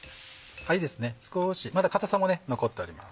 いいですね少しまだ硬さも残っております。